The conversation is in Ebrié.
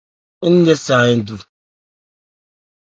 Ńnyɛ sa hɛn du.